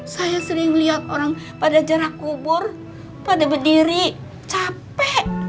saya sering melihat orang pada jarak kubur pada berdiri capek